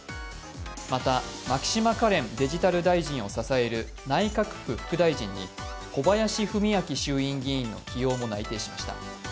また、牧島かれんデジタル大臣を支える内閣府副大臣に小林衆院議員も内定しました。